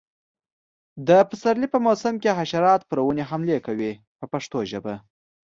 د پسرلي په موسم کې حشرات پر ونو حملې کوي په پښتو ژبه.